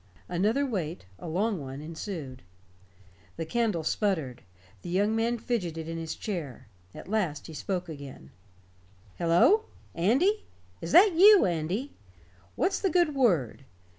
Another wait a long one ensued. The candle sputtered. The young man fidgeted in his chair. At last he spoke again: "Hello! Andy? Is that you, Andy? What's the good word?